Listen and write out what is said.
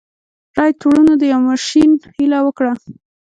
رايټ وروڼو د يوه ماشين هيله وکړه.